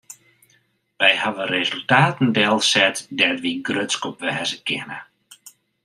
Wy hawwe resultaten delset dêr't wy grutsk op wêze kinne.